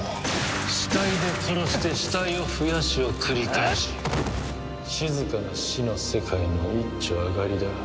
死体で殺して死体を増やしを繰り返し静かな死の世界の一丁上がりだ。